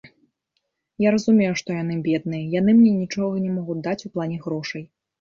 Я разумею, што яны бедныя, яны мне нічога не могуць даць у плане грошай.